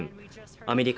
アメリカ・